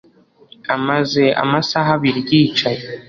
Amaze amasaha abiri yicaye